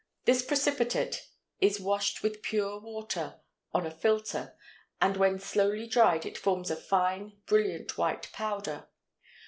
This precipitate is washed with pure water on a filter, and when slowly dried it forms a fine, brilliant white powder.